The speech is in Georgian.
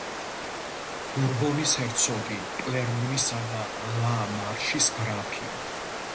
ბურბონის ჰერცოგი, კლერმონისა და ლა მარშის გრაფი.